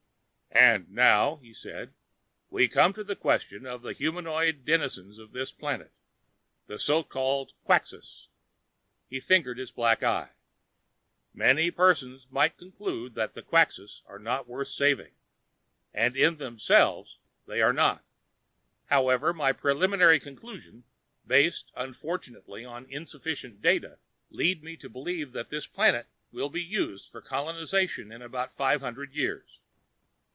"And now," he said, "we come to the question of the humanoid denizens of this planet the so called Quxas." He fingered his black eye. "Many persons might conclude that the Quxas are not worth saving; and in themselves, they are not. However, my preliminary conclusions based, unfortunately, on insufficient data lead me to believe that this planet will be used for colonization in about five hundred years.